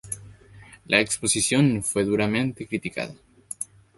La exposición fue duramente criticada.